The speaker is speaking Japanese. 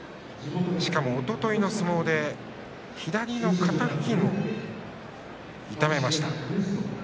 しかも、おとといの相撲で左の肩を痛めました。